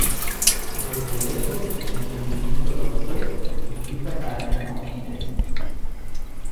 Desde lejos el entendimiento los ve y grita para que no entren.